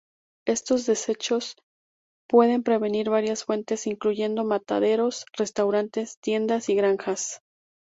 Estos deshechos pueden provenir varias fuentes, incluyendo mataderos, restaurantes, tiendas y granjas.